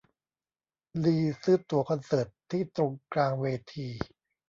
ลีซื้อตั๋วคอนเสิร์ตที่ตรงกลางเวที